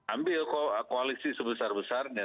ambil koalisi sebesar besarnya